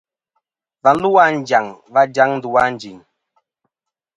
Và lu a Anjaŋ va dyaŋ ndu a Ànjin.